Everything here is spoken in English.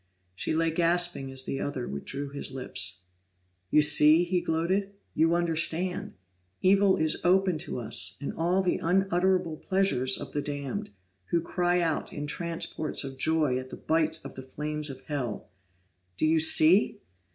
She lay gasping as the other withdrew his lips. "You see!" he gloated. "You understand! Evil is open to us, and all the unutterable pleasures of the damned, who cry out in transports of joy at the bite of the flames of Hell. Do you see?"